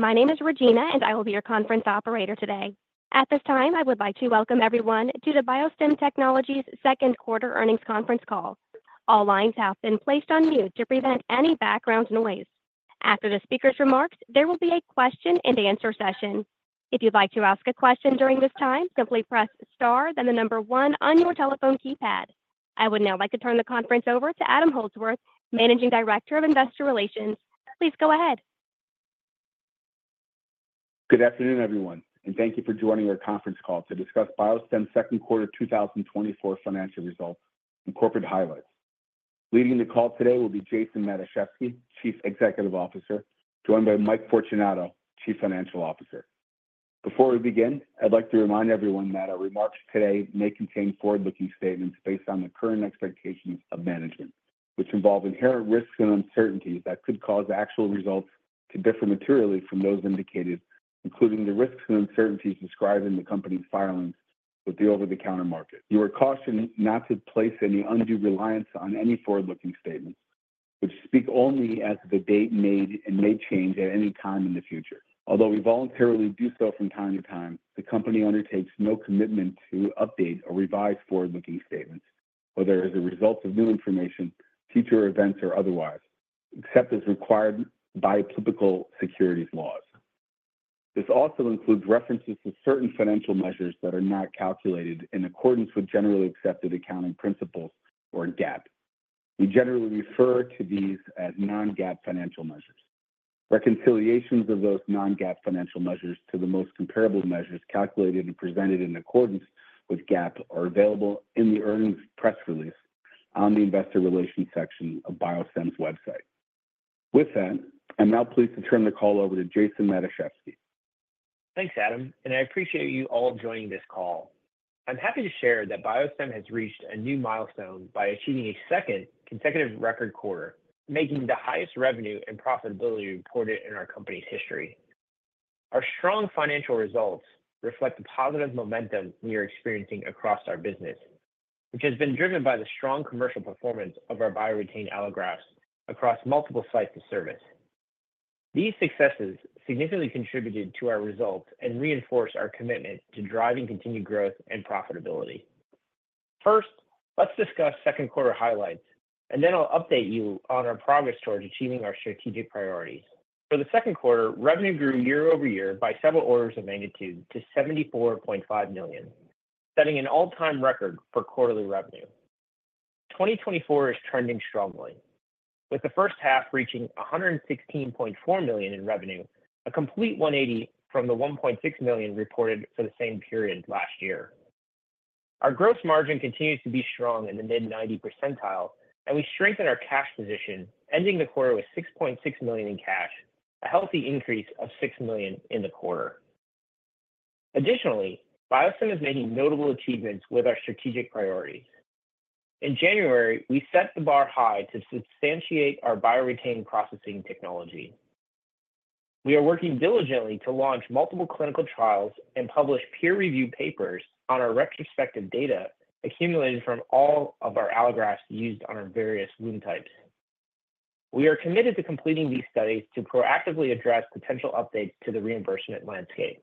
My name is Regina, and I will be your conference operator today. At this time, I would like to welcome everyone to the BioStem Technologies second quarter earnings conference call. All lines have been placed on mute to prevent any background noise. After the speaker's remarks, there will be a question and answer session. If you'd like to ask a question during this time, simply press Star, then the number one on your telephone keypad. I would now like to turn the conference over to Adam Holdsworth, Managing Director of Investor Relations. Please go ahead. Good afternoon, everyone, and thank you for joining our conference call to discuss BioStem's second quarter 2024 financial results and corporate highlights. Leading the call today will be Jason Matuszewski, Chief Executive Officer, joined by Mike Fortunato, Chief Financial Officer. Before we begin, I'd like to remind everyone that our remarks today may contain forward-looking statements based on the current expectations of management, which involve inherent risks and uncertainties that could cause actual results to differ materially from those indicated, including the risks and uncertainties described in the company's filings with the over-the-counter market. You are cautioned not to place any undue reliance on any forward-looking statements, which speak only as of the date made and may change at any time in the future. Although we voluntarily do so from time to time, the company undertakes no commitment to update or revise forward-looking statements, whether as a result of new information, future events or otherwise, except as required by typical securities laws. This also includes references to certain financial measures that are not calculated in accordance with generally accepted accounting principles or GAAP. We generally refer to these as non-GAAP financial measures. Reconciliations of those non-GAAP financial measures to the most comparable measures calculated and presented in accordance with GAAP are available in the earnings press release on the Investor Relations section of BioStem's website. With that, I'm now pleased to turn the call over to Jason Matuszewski. Thanks, Adam, and I appreciate you all joining this call. I'm happy to share that BioStem has reached a new milestone by achieving a second consecutive record quarter, making the highest revenue and profitability reported in our company's history. Our strong financial results reflect the positive momentum we are experiencing across our business, which has been driven by the strong commercial performance of our BioRetain allografts across multiple sites of service. These successes significantly contributed to our results and reinforce our commitment to driving continued growth and profitability. First, let's discuss second quarter highlights, and then I'll update you on our progress towards achieving our strategic priorities. For the second quarter, revenue grew year-over-year by several orders of magnitude to $74.5 million, setting an all-time record for quarterly revenue. 2024 is trending strongly, with the first half reaching $116.4 million in revenue, a complete 180 from the $1.6 million reported for the same period last year. Our gross margin continues to be strong in the mid-90 percentile, and we strengthen our cash position, ending the quarter with $6.6 million in cash, a healthy increase of $6 million in the quarter. Additionally, BioStem is making notable achievements with our strategic priorities. In January, we set the bar high to substantiate our BioRetain processing technology. We are working diligently to launch multiple clinical trials and publish peer-reviewed papers on our retrospective data accumulated from all of our allografts used on our various wound types. We are committed to completing these studies to proactively address potential updates to the reimbursement landscape.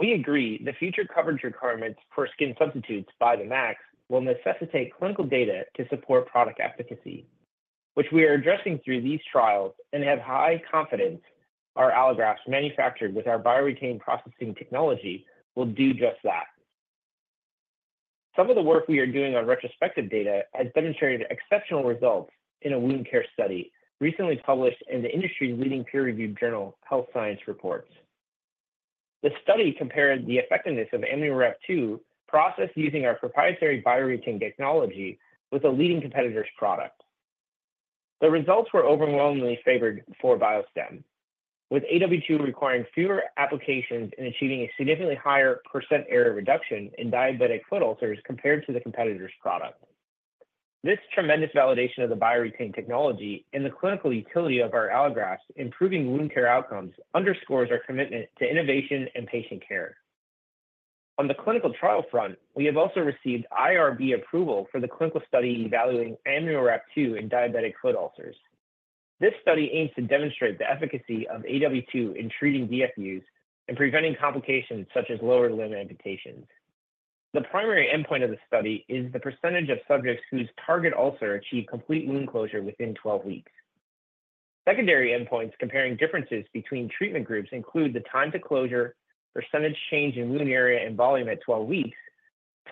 We agree the future coverage requirements for skin substitutes by the MAC will necessitate clinical data to support product efficacy, which we are addressing through these trials and have high confidence our allografts manufactured with our BioRetain processing technology will do just that. Some of the work we are doing on retrospective data has demonstrated exceptional results in a wound care study recently published in the industry-leading peer-reviewed journal, Health Science Reports. The study compared the effectiveness of AmnioWrap2 processed using our proprietary BioRetain technology with a leading competitor's product. The results were overwhelmingly favored for BioStem, with AW2 requiring fewer applications and achieving a significantly higher % area reduction in diabetic foot ulcers compared to the competitor's product. This tremendous validation of the BioRetain technology and the clinical utility of our allografts, improving wound care outcomes underscores our commitment to innovation and patient care. On the clinical trial front, we have also received IRB approval for the clinical study evaluating AmnioWrap2 in diabetic foot ulcers. This study aims to demonstrate the efficacy of AW2 in treating DFUs and preventing complications such as lower limb amputations. The primary endpoint of the study is the percentage of subjects whose target ulcer achieved complete wound closure within 12 weeks. Secondary endpoints comparing differences between treatment groups include the time to closure, percentage change in wound area and volume at 12 weeks,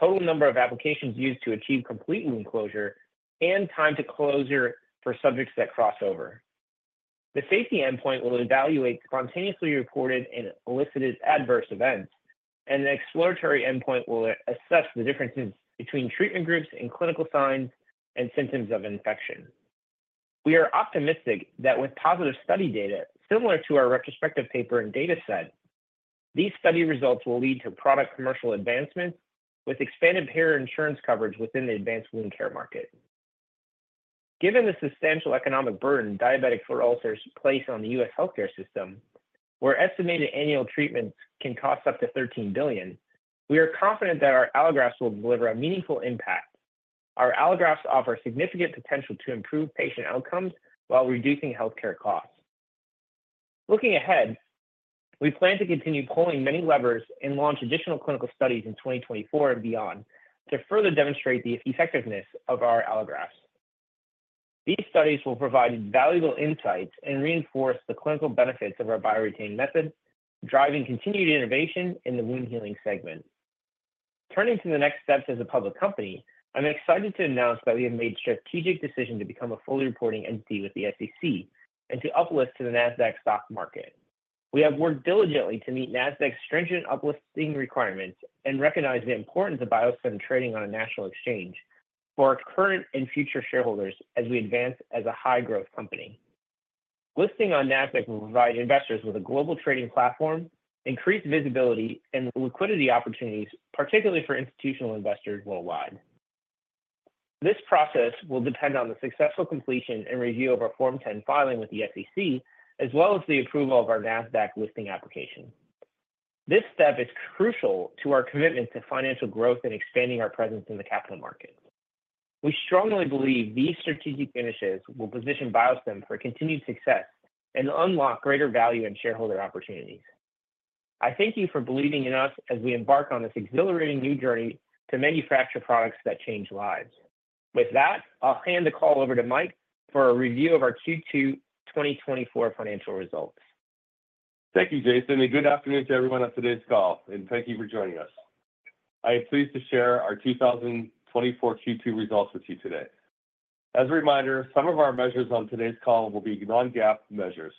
total number of applications used to achieve complete wound closure, and time to closure for subjects that cross over. The safety endpoint will evaluate spontaneously reported and elicited adverse events, and an exploratory endpoint will assess the differences between treatment groups and clinical signs and symptoms of infection. We are optimistic that with positive study data, similar to our retrospective paper and dataset, these study results will lead to product commercial advancements with expanded payer insurance coverage within the advanced wound care market. Given the substantial economic burden diabetic foot ulcers place on the US healthcare system, where estimated annual treatments can cost up to $13 billion, we are confident that our allografts will deliver a meaningful impact. Our allografts offer significant potential to improve patient outcomes while reducing healthcare costs. Looking ahead, we plan to continue pulling many levers and launch additional clinical studies in 2024 and beyond to further demonstrate the effectiveness of our allografts. These studies will provide valuable insights and reinforce the clinical benefits of our BioRetain method, driving continued innovation in the wound healing segment. Turning to the next steps as a public company, I'm excited to announce that we have made strategic decision to become a fully reporting entity with the SEC and to uplist to the NASDAQ stock market. We have worked diligently to meet NASDAQ's stringent uplisting requirements and recognize the importance of BioStem trading on a national exchange for our current and future shareholders as we advance as a high-growth company. Listing on NASDAQ will provide investors with a global trading platform, increased visibility, and liquidity opportunities, particularly for institutional investors worldwide. This process will depend on the successful completion and review of our Form 10 filing with the SEC, as well as the approval of our NASDAQ listing application. This step is crucial to our commitment to financial growth and expanding our presence in the capital market. We strongly believe these strategic initiatives will position BioStem for continued success and unlock greater value in shareholder opportunities. I thank you for believing in us as we embark on this exhilarating new journey to manufacture products that change lives. With that, I'll hand the call over to Mike for a review of our Q2 2024 financial results. Thank you, Jason, and good afternoon to everyone on today's call, and thank you for joining us. I am pleased to share our 2024 Q2 results with you today. As a reminder, some of our measures on today's call will be non-GAAP measures.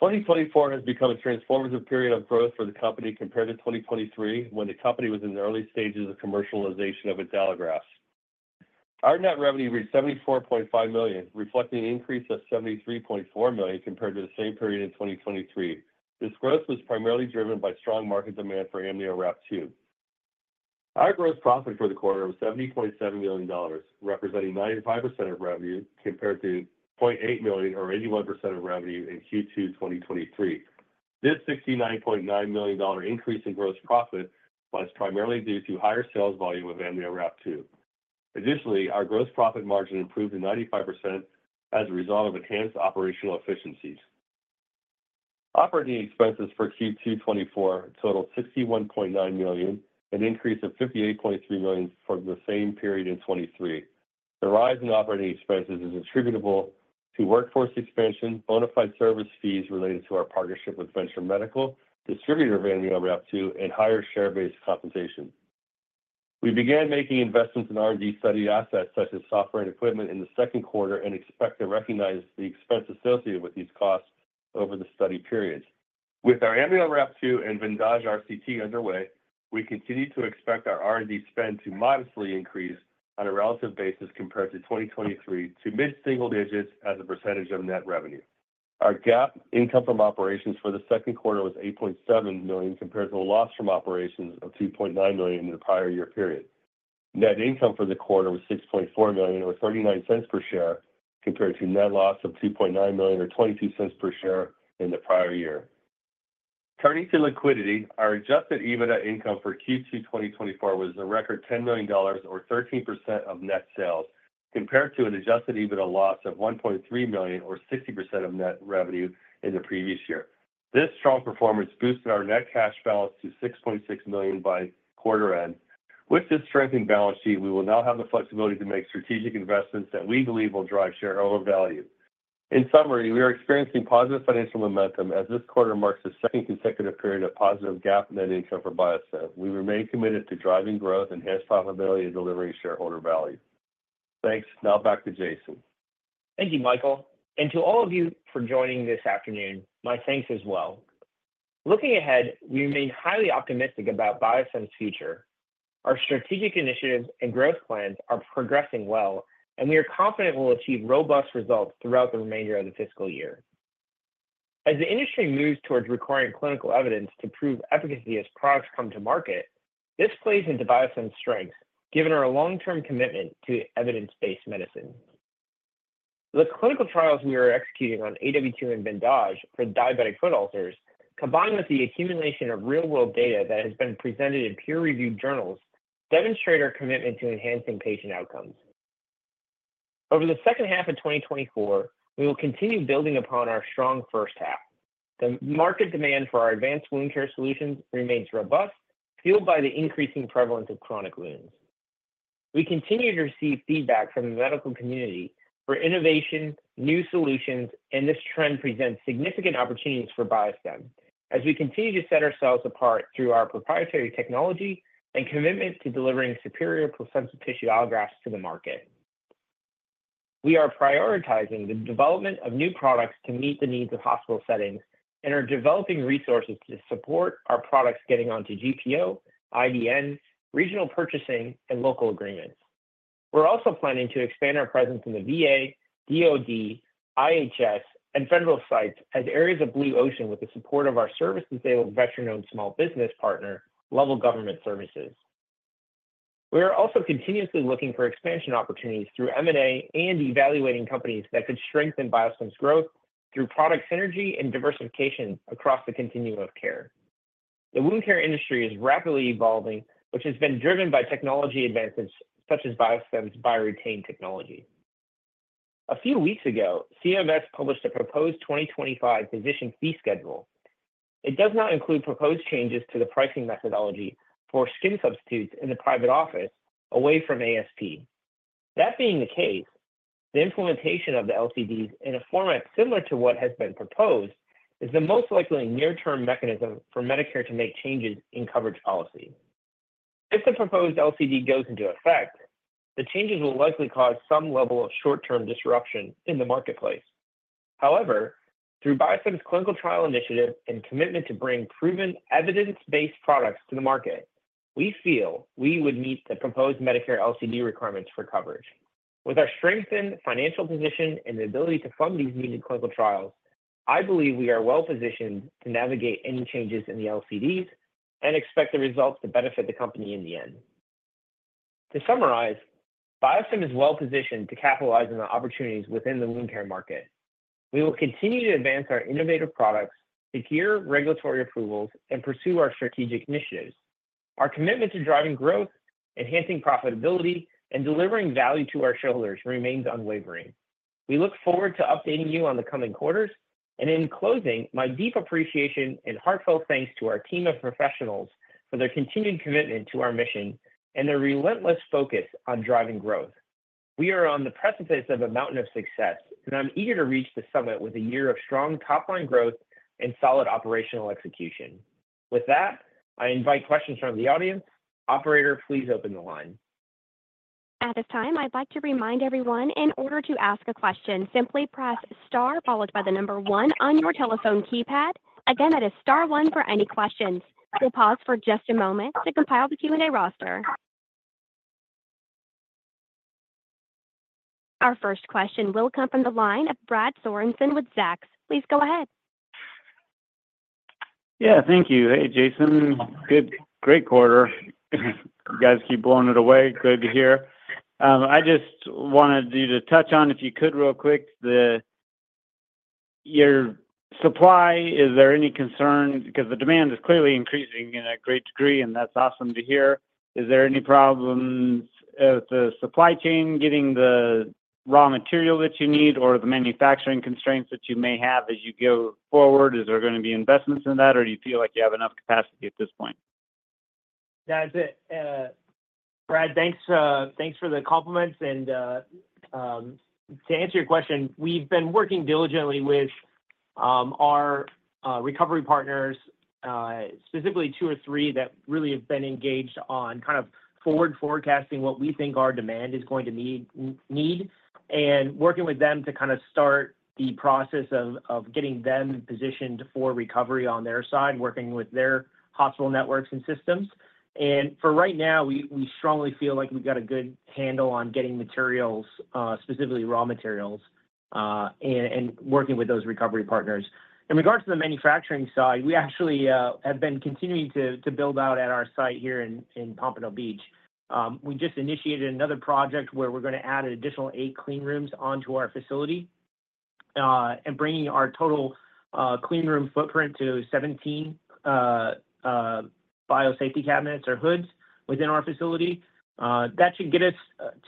2024 has become a transformative period of growth for the company compared to 2023, when the company was in the early stages of commercialization of its allografts. Our net revenue reached $74.5 million, reflecting an increase of $73.4 million compared to the same period in 2023. This growth was primarily driven by strong market demand for AmnioWrap2. Our gross profit for the quarter was $70.7 million, representing 95% of revenue, compared to $0.8 million or 81% of revenue in Q2 2023. This $69.9 million increase in gross profit was primarily due to higher sales volume of AmnioWrap2. Additionally, our gross profit margin improved to 95% as a result of enhanced operational efficiencies. Operating expenses for Q2 2024 totaled $61.9 million, an increase of $58.3 million from the same period in 2023. The rise in operating expenses is attributable to workforce expansion, bona fide service fees related to our partnership with Venture Medical, distributor of AmnioWrap2, and higher share-based compensation. We began making investments in R&D study assets such as software and equipment in the second quarter and expect to recognize the expense associated with these costs over the study periods. With our AmnioWrap2 and VENDAJE RCT underway, we continue to expect our R&D spend to modestly increase on a relative basis compared to 2023 to mid-single digits as a percentage of net revenue. Our GAAP income from operations for the second quarter was $8.7 million, compared to a loss from operations of $2.9 million in the prior year period. Net income for the quarter was $6.4 million, or $0.39 per share, compared to net loss of $2.9 million or $0.22 per share in the prior year. Turning to liquidity, our adjusted EBITDA income for Q2 2024 was a record $10 million or 13% of net sales, compared to an adjusted EBITDA loss of $1.3 million, or 60% of net revenue in the previous year. This strong performance boosted our net cash balance to $6.6 million by quarter end. With this strengthened balance sheet, we will now have the flexibility to make strategic investments that we believe will drive shareholder value. In summary, we are experiencing positive financial momentum as this quarter marks the second consecutive period of positive GAAP net income for BioStem. We remain committed to driving growth, enhanced profitability, and delivering shareholder value. Thanks. Now back to Jason. Thank you, Michael, and to all of you for joining this afternoon, my thanks as well. Looking ahead, we remain highly optimistic about BioStem's future. Our strategic initiatives and growth plans are progressing well, and we are confident we'll achieve robust results throughout the remainder of the fiscal year. As the industry moves towards requiring clinical evidence to prove efficacy as products come to market, this plays into BioStem's strength, given our long-term commitment to evidence-based medicine. The clinical trials we are executing on AW2 and VENDAJE for diabetic foot ulcers, combined with the accumulation of real-world data that has been presented in peer-reviewed journals, demonstrate our commitment to enhancing patient outcomes. Over the second half of 2024, we will continue building upon our strong first half. The market demand for our advanced wound care solutions remains robust, fueled by the increasing prevalence of chronic wounds. We continue to receive feedback from the medical community for innovation, new solutions, and this trend presents significant opportunities for BioStem as we continue to set ourselves apart through our proprietary technology and commitment to delivering superior placenta tissue allografts to the market. We are prioritizing the development of new products to meet the needs of hospital settings and are developing resources to support our products getting onto GPO, IDN, regional purchasing, and local agreements. We're also planning to expand our presence in the VA, DoD, IHS, and federal sites as areas of blue ocean with the support of our service-disabled, veteran-owned small business partner, Level Government Services. We are also continuously looking for expansion opportunities through M&A and evaluating companies that could strengthen BioStem's growth through product synergy and diversification across the continuum of care.... The wound care industry is rapidly evolving, which has been driven by technology advances such as BioStem's BioRetain technology. A few weeks ago, CMS published a proposed 2025 physician fee schedule. It does not include proposed changes to the pricing methodology for skin substitutes in the private office away from ASP. That being the case, the implementation of the LCDs in a format similar to what has been proposed, is the most likely near-term mechanism for Medicare to make changes in coverage policy. If the proposed LCD goes into effect, the changes will likely cause some level of short-term disruption in the marketplace. However, through BioStem's clinical trial initiative and commitment to bring proven evidence-based products to the market, we feel we would meet the proposed Medicare LCD requirements for coverage. With our strengthened financial position and the ability to fund these needed clinical trials, I believe we are well positioned to navigate any changes in the LCDs and expect the results to benefit the company in the end. To summarize, BioStem is well positioned to capitalize on the opportunities within the wound care market. We will continue to advance our innovative products, secure regulatory approvals, and pursue our strategic initiatives. Our commitment to driving growth, enhancing profitability, and delivering value to our shareholders remains unwavering. We look forward to updating you on the coming quarters. In closing, my deep appreciation and heartfelt thanks to our team of professionals for their continued commitment to our mission and their relentless focus on driving growth. We are on the precipice of a mountain of success, and I'm eager to reach the summit with a year of strong top-line growth and solid operational execution. With that, I invite questions from the audience. Operator, please open the line. At this time, I'd like to remind everyone, in order to ask a question, simply press Star, followed by the number one on your telephone keypad. Again, that is Star one for any questions. We'll pause for just a moment to compile the Q&A roster. Our first question will come from the line of Brad Sorensen with Zacks. Please go ahead. Yeah, thank you. Hey, Jason. Great quarter. You guys keep blowing it away. Good to hear. I just wanted you to touch on, if you could, real quick, your supply. Is there any concern? Because the demand is clearly increasing in a great degree, and that's awesome to hear. Is there any problems with the supply chain, getting the raw material that you need, or the manufacturing constraints that you may have as you go forward? Is there gonna be investments in that, or do you feel like you have enough capacity at this point? Yeah, Brad, thanks, thanks for the compliments, and, to answer your question, we've been working diligently with our recovery partners, specifically two or three that really have been engaged on kind of forward forecasting what we think our demand is going to need, need. And working with them to kinda start the process of getting them positioned for recovery on their side, working with their hospital networks and systems. And for right now, we strongly feel like we've got a good handle on getting materials, specifically raw materials, and working with those recovery partners. In regards to the manufacturing side, we actually have been continuing to build out at our site here in Pompano Beach. We just initiated another project where we're gonna add an additional eight clean rooms onto our facility, and bringing our total clean room footprint to seventeen biosafety cabinets or hoods within our facility. That should get us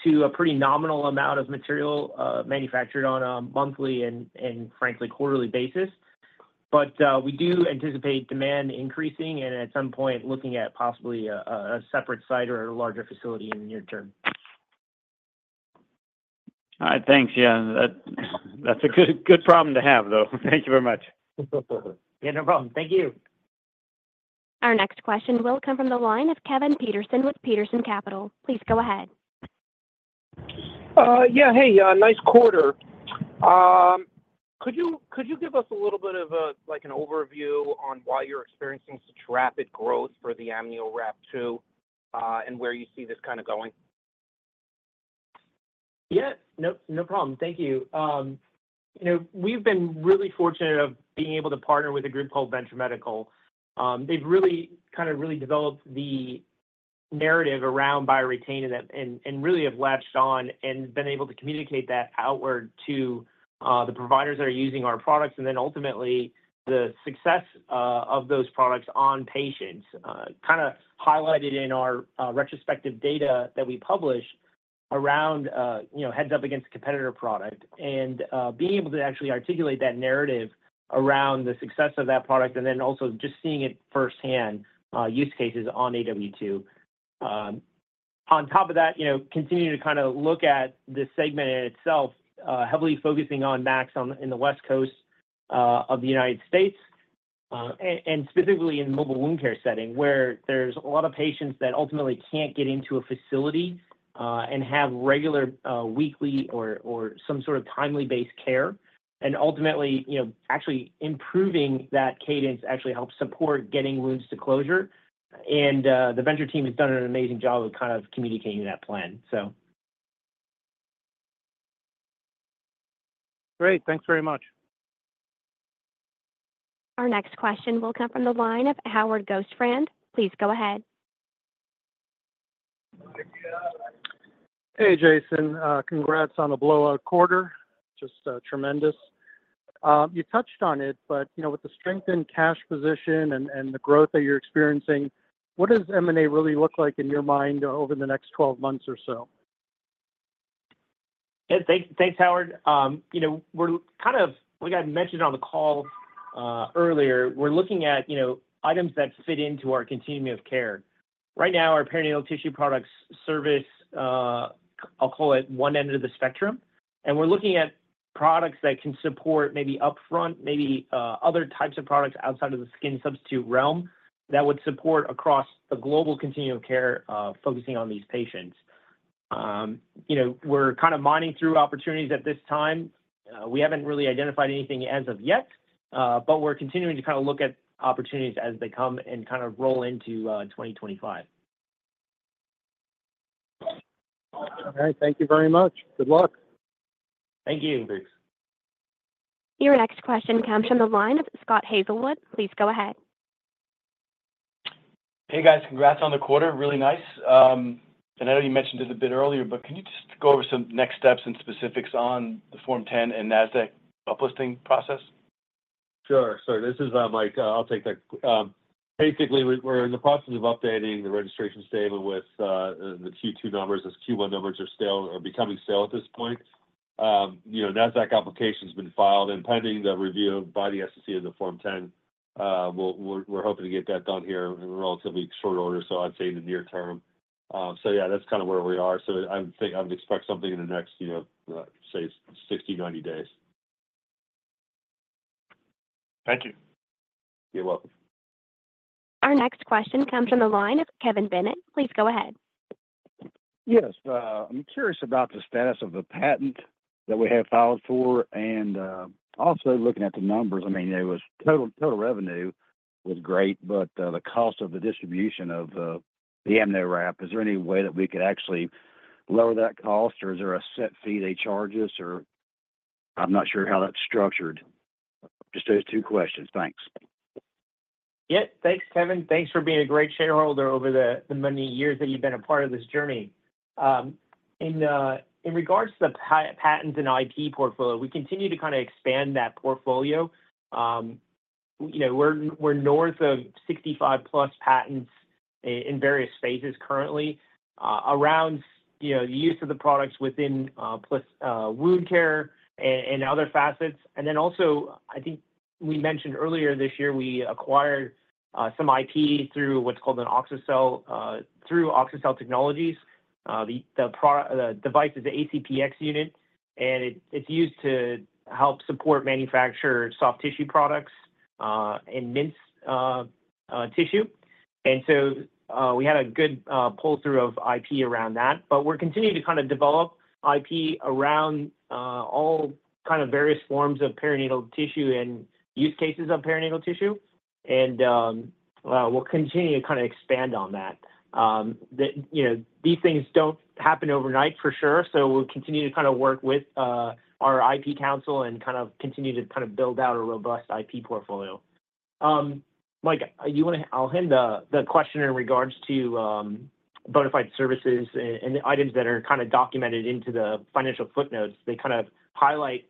to a pretty nominal amount of material manufactured on a monthly and frankly quarterly basis. But we do anticipate demand increasing and at some point looking at possibly a separate site or a larger facility in the near term. All right. Thanks, yeah. That, that's a good, good problem to have, though. Thank you very much. Yeah, no problem. Thank you. Our next question will come from the line of Kevin Peterson with Peterson Capital. Please go ahead. Yeah, hey, nice quarter. Could you give us a little bit of a, like, an overview on why you're experiencing such rapid growth for the AmnioWrap2, and where you see this kinda going? Yeah. No, no problem. Thank you. You know, we've been really fortunate of being able to partner with a group called Venture Medical. They've really, kind of really developed the narrative around BioRetain and that, and, and really have latched on and been able to communicate that outward to, the providers that are using our products, and then ultimately, the success, of those products on patients. Kinda highlighted in our, retrospective data that we publish around, you know, heads-up against competitor product. And, being able to actually articulate that narrative around the success of that product, and then also just seeing it firsthand, use cases on AW2. On top of that, you know, continuing to kinda look at this segment in itself, heavily focusing on MACs on the West Coast of the United States, and specifically in mobile wound care setting, where there's a lot of patients that ultimately can't get into a facility and have regular weekly or some sort of timely-based care. And ultimately, you know, actually improving that cadence actually helps support getting wounds to closure. And the Venture team has done an amazing job of kind of communicating that plan, so. Great. Thanks very much. Our next question will come from the line of Howard Gostfrand. Please go ahead.... Hey, Jason, congrats on the blowout quarter. Just tremendous. You touched on it, but, you know, with the strength in cash position and the growth that you're experiencing, what does M&A really look like in your mind over the next 12 months or so? Yeah. Thanks, thanks, Howard. You know, we're kind of like I mentioned on the call earlier, we're looking at, you know, items that fit into our continuum of care. Right now, our perinatal tissue products service, I'll call it one end of the spectrum, and we're looking at products that can support maybe upfront, maybe other types of products outside of the skin substitute realm, that would support across a global continuum of care, focusing on these patients. You know, we're kind of mining through opportunities at this time. We haven't really identified anything as of yet, but we're continuing to kind of look at opportunities as they come and kind of roll into 2025. All right. Thank you very much. Good luck. Thank you. Thanks. Your next question comes from the line of Scott Hazelwood. Please go ahead. Hey, guys. Congrats on the quarter. Really nice. I know you mentioned it a bit earlier, but can you just go over some next steps and specifics on the Form 10 and NASDAQ uplisting process? Sure, sure. This is Mike, I'll take that. Basically, we're in the process of updating the registration statement with the Q2 numbers, as Q1 numbers are still becoming stale at this point. You know, NASDAQ application's been filed, and pending the review by the SEC and the Form 10, we're hoping to get that done here in relatively short order, so I'd say in the near term. So yeah, that's kind of where we are. So I would think, I would expect something in the next, you know, say 60, 90 days. Thank you. You're welcome. Our next question comes from the line of Kevin Bennett. Please go ahead. Yes, I'm curious about the status of the patent that we have filed for. And, also looking at the numbers, I mean, it was total revenue was great, but, the cost of the distribution of, the AmnioWrap, is there any way that we could actually lower that cost, or is there a set fee they charge us? Or I'm not sure how that's structured. Just those two questions. Thanks. Yeah, thanks, Kevin. Thanks for being a great shareholder over the many years that you've been a part of this journey. In regards to the patents and IP portfolio, we continue to kinda expand that portfolio. You know, we're north of 65+ patents in various phases currently, around, you know, the use of the products within, plus, wound care and other facets. And then also, I think we mentioned earlier this year, we acquired some IP through what's called an AuxiCell, through AuxiCell Technologies. The device is ACpx unit, and it's used to help support manufacture soft tissue products, and mince tissue. And so, we had a good pull-through of IP around that. But we're continuing to kinda develop IP around all kind of various forms of perinatal tissue and use cases of perinatal tissue. And we'll continue to kinda expand on that. You know, these things don't happen overnight for sure, so we'll continue to kinda work with our IP counsel and kind of continue to kind of build out a robust IP portfolio. Mike, I'll hand the question in regards to bona fide services and the items that are kind of documented into the financial footnotes. They kind of highlight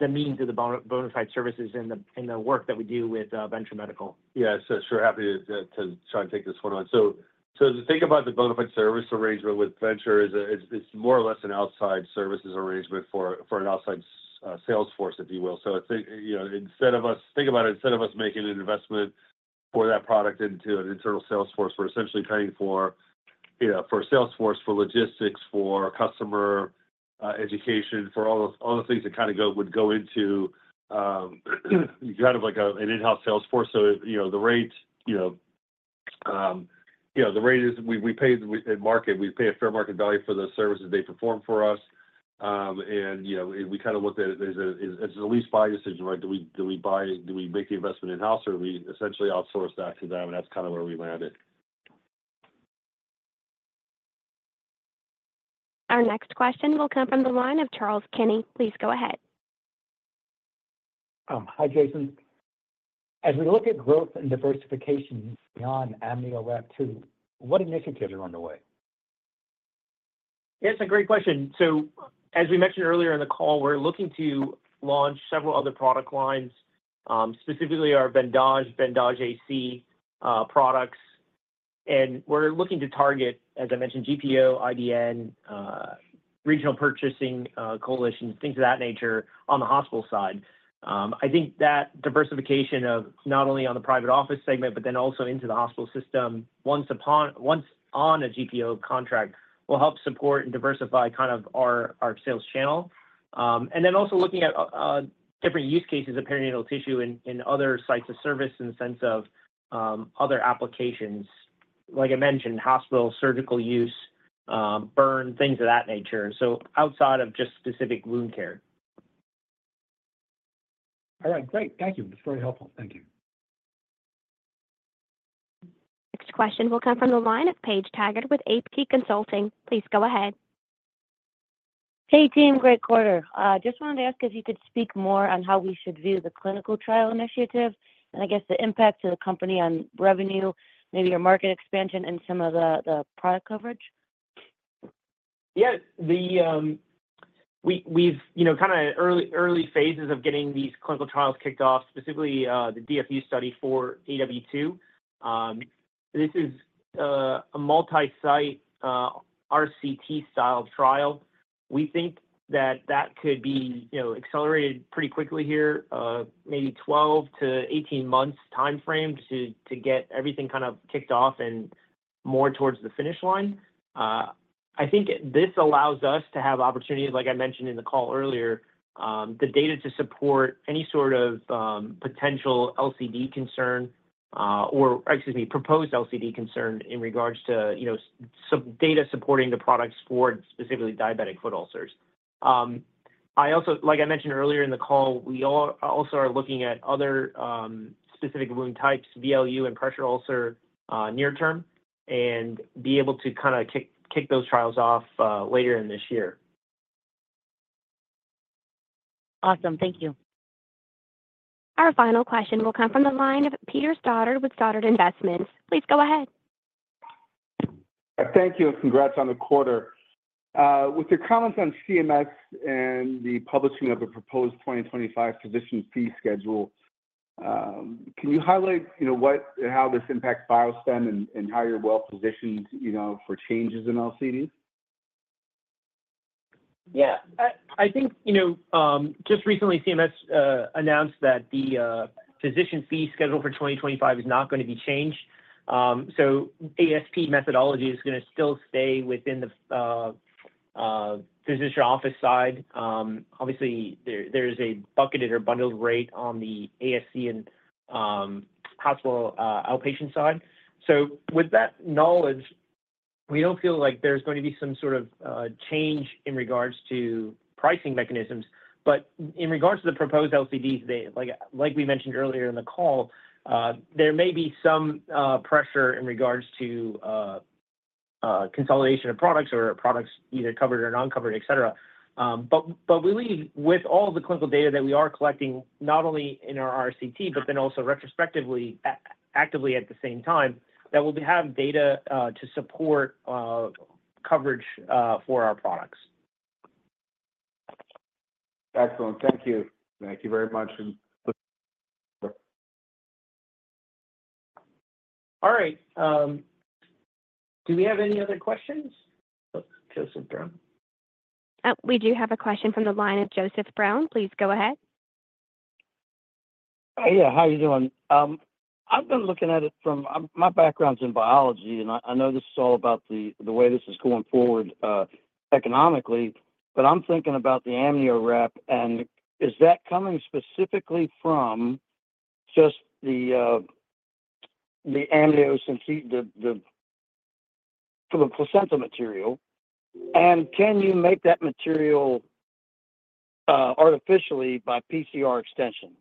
the meaning to the bona fide services and the work that we do with Venture Medical. Yeah. So sure, happy to try and take this one on. So to think about the bona fide service arrangement with Venture is, it's more or less an outside services arrangement for an outside sales force, if you will. So I think, you know, instead of us, think about it, instead of us making an investment for that product into an internal sales force, we're essentially paying for, you know, for a sales force, for logistics, for customer education, for all those, all those things that kind of go, would go into kind of like an in-house sales force. So, you know, the rate, you know, the rate is we pay at market. We pay a fair market value for the services they perform for us. You know, we kind of looked at it as a lease buy decision, right? Do we make the investment in-house, or do we essentially outsource that to them? That's kind of where we landed. Our next question will come from the line of Charles Kinney. Please go ahead. Hi, Jason. As we look at growth and diversification beyond AmnioWrap2, what initiatives are underway? It's a great question. So as we mentioned earlier in the call, we're looking to launch several other product lines, specifically our VENDAJE, VENDAJE AC, products. And we're looking to target, as I mentioned, GPO, IDN, regional purchasing, coalitions, things of that nature, on the hospital side. I think that diversification of not only on the private office segment, but then also into the hospital system, once on a GPO contract, will help support and diversify kind of our sales channel. And then also looking at different use cases of perinatal tissue in other sites of service, in the sense of other applications. Like I mentioned, hospital, surgical use, burn, things of that nature, so outside of just specific wound care. All right, great. Thank you. It's very helpful. Thank you. Next question will come from the line of Paige Taggart with AP Consulting. Please go ahead.... Hey, team, great quarter. Just wanted to ask if you could speak more on how we should view the clinical trial initiative, and I guess the impact to the company on revenue, maybe your market expansion and some of the, the product coverage? Yeah, the, we, we've, you know, kind of early, early phases of getting these clinical trials kicked off, specifically, the DFU study for AW2. This is, a multi-site, RCT style trial. We think that that could be, you know, accelerated pretty quickly here, maybe 12-18 months timeframe to, to get everything kind of kicked off and more towards the finish line. I think this allows us to have opportunities, like I mentioned in the call earlier, the data to support any sort of, potential LCD concern, or excuse me, proposed LCD concern in regards to, you know, some data supporting the products for specifically diabetic foot ulcers. I also, like I mentioned earlier in the call, we also are looking at other specific wound types, VLU and pressure ulcer, near term, and be able to kind of kick those trials off later in this year. Awesome. Thank you. Our final question will come from the line of Peter Stoddard with Stoddard Investments. Please go ahead. Thank you, and congrats on the quarter. With your comments on CMS and the publishing of the proposed 2025 physician fee schedule, can you highlight, you know, what and how this impacts BioStem and, and how you're well positioned, you know, for changes in LCDs? Yeah. I think, you know, just recently, CMS announced that the physician fee schedule for 2025 is not going to be changed. So ASP methodology is going to still stay within the physician office side. Obviously, there's a bucketed or bundled rate on the ASC and hospital outpatient side. So with that knowledge, we don't feel like there's going to be some sort of change in regards to pricing mechanisms. But in regards to the proposed LCDs, like we mentioned earlier in the call, there may be some pressure in regards to consolidation of products or products either covered or uncovered, et cetera. But we leave with all the clinical data that we are collecting, not only in our RCT, but then also retrospectively, actively at the same time, that we'll be having data to support coverage for our products. Excellent. Thank you. Thank you very much, and- All right, do we have any other questions? Joseph Brown. We do have a question from the line of Joseph Brown. Please go ahead. Yeah, how are you doing? I've been looking at it from... My background's in biology, and I know this is all about the way this is going forward economically, but I'm thinking about the AmnioWrap2, and is that coming specifically from just the amnio since the from the placenta material? And can you make that material artificially by PCR extension?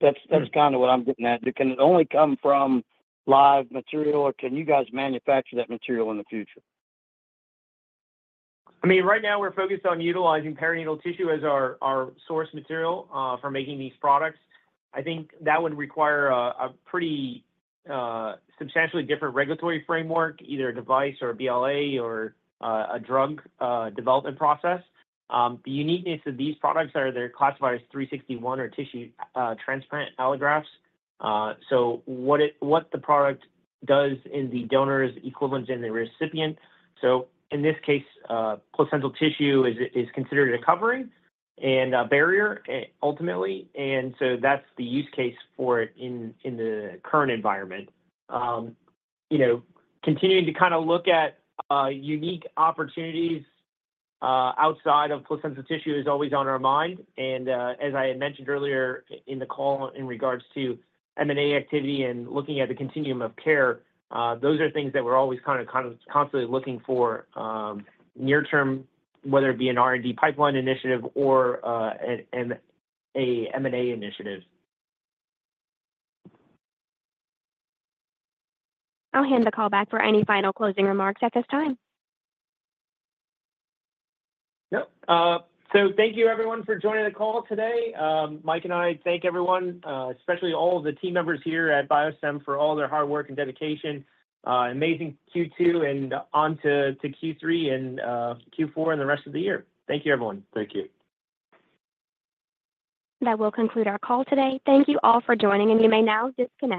That's kind of what I'm getting at. It can only come from live material, or can you guys manufacture that material in the future? I mean, right now, we're focused on utilizing perinatal tissue as our source material for making these products. I think that would require a pretty substantially different regulatory framework, either a device or a BLA or a drug development process. The uniqueness of these products is they're classified as 361 or tissue transplant allografts. So what the product does in the donor is equivalent in the recipient. So in this case, placental tissue is considered a covering and a barrier ultimately, and so that's the use case for it in the current environment. You know, continuing to kind of look at unique opportunities outside of placental tissue is always on our mind, and as I had mentioned earlier in the call in regards to M&A activity and looking at the continuum of care, those are things that we're always kind of constantly looking for near term, whether it be an R&D pipeline initiative or an M&A initiative. I'll hand the call back for any final closing remarks at this time. Yep. So thank you everyone for joining the call today. Mike and I thank everyone, especially all of the team members here at BioStem, for all their hard work and dedication. Amazing Q2 and on to, to Q3 and, Q4 and the rest of the year. Thank you, everyone. Thank you. That will conclude our call today. Thank you all for joining, and you may now disconnect.